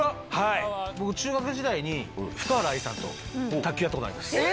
中学時代に福原愛さんと卓球やったことあります。